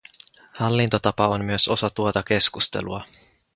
Hallintotapa on myös osa tuota keskustelua.